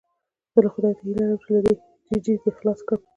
زه خدای ته هیله لرم چې له دې ججې دې خلاص کړم.